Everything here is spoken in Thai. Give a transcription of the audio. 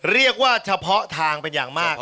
เรียกว่าเฉพาะทางเป็นอย่างมาก